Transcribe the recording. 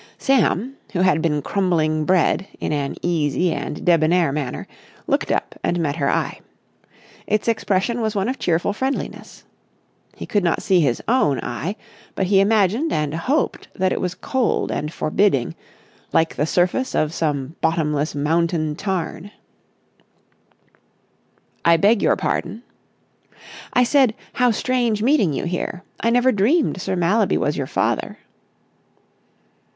Sam, who had been crumbling bread in an easy and debonair manner, looked up and met her eye. Its expression was one of cheerful friendliness. He could not see his own eye, but he imagined and hoped that it was cold and forbidding, like the surface of some bottomless mountain tarn. "I beg your pardon?" "I said, how strange meeting you here. I never dreamed Sir Mallaby was your father."